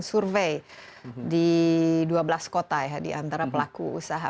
survei di dua belas kota ya di antara pelaku usaha